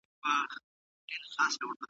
د ابدالیو فتوحات هم مشهور دي